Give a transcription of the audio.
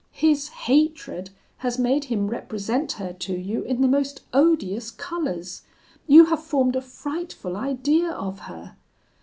His hatred has made him represent her to you in the most odious colours: you have formed a frightful idea of her.